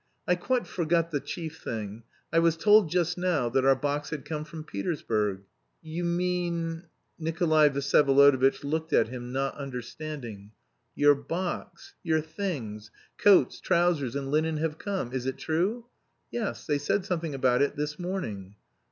"I quite forgot the chief thing. I was told just now that our box had come from Petersburg." "You mean..." Nikolay Vsyevolodovitch looked at him, not understanding. "Your box, your things, coats, trousers, and linen have come. Is it true?" "Yes... they said something about it this morning."